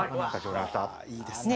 いいですね。